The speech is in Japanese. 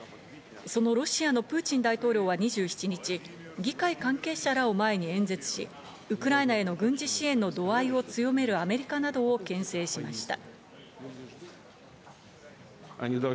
そのロシアのプーチン大統領は２７日、議会関係者らを前に演説し、ウクライナへの軍事支援の度合いを強めるアメリカなどを牽制しました。